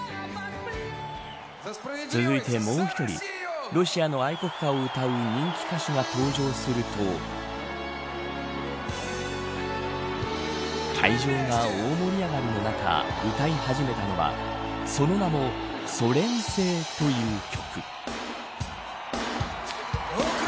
続いてもう１人ロシアの愛国歌を歌う人気歌手が登場すると会場が大盛り上がりの中歌い始めたのはその名も、ソ連製という曲。